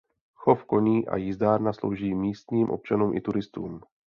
Chov koní a jízdárna slouží místním občanům i turistům.